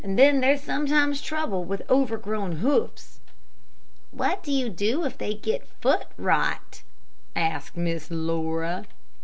Then they're sometimes troubled with overgrown hoofs." "What do you do if they get foot rot?" asked Miss Laura.